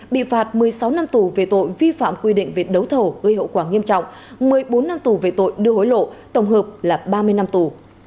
bị phạt một mươi sáu năm tù về tội vi phạm quy định về đấu thầu gây hậu quả nghiêm trọng một mươi bốn năm tù về tội đưa hối lộ tổng hợp là ba mươi năm tù